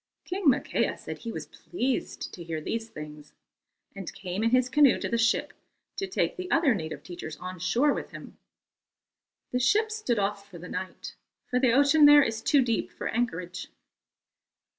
King Makea said he was pleased to hear these things, and came in his canoe to the ship to take the other native teachers on shore with him. The ship stood off for the night, for the ocean there is too deep for anchorage.